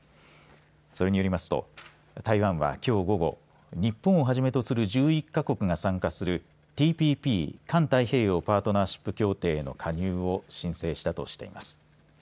それによりますと台湾は、きょう午後日本をはじめとする１１か国が参加するＴＰＰ環太平洋パートナーシップ協定の加入を申請したとしています。